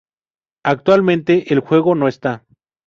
Actualmente el juego no está.